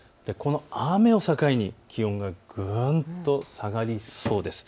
この雨を境に気温がぐんと下がりそうです。